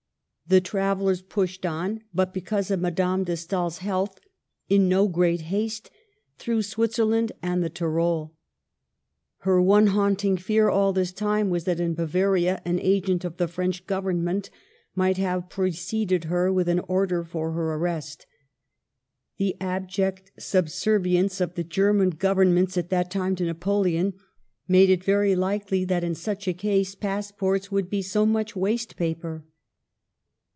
The travel lers pushed on, but, because of Madame de Stael's health, in no great haste, through Switzerland and the Tyrol. Her one haunting fear all this time was that in Bavaria an agent of the French Government might have preceded her with an order for her arrest. The abject subservience of the German Governments at that time to Napoleon made it very likely that in such a case passports would be so much waste paper.